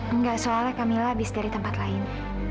enggak soalnya kak mila habis dari tempat lain